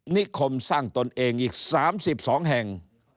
นิคมสร้างตนเองอีก๓๒แห่ง